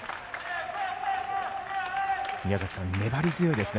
宮崎さん、粘り強いですね